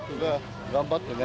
頑張ってね。